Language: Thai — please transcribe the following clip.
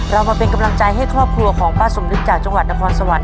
เรามาเป็นกำลังใจให้ครอบครัวของป้าสมนึกจากจังหวัดนครสวรรค